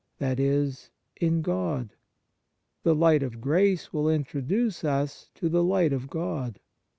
That is, in God. The light of grace will intro duce us to the light of God.